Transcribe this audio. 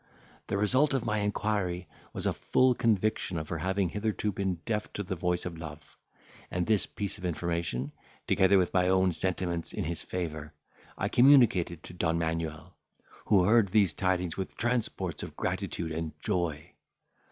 The result of my inquiry was a full conviction of her having hitherto been deaf to the voice of love; and this piece of information, together with my own sentiments in his favour, I communicated to Don Manuel, who heard these tidings with transports of gratitude and joy.